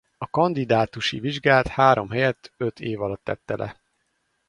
A kandidátusi vizsgát három helyett öt év alatt tette le.